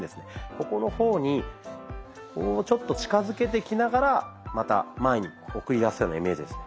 ここの方にこうちょっと近づけてきながらまた前に送り出すようなイメージですね。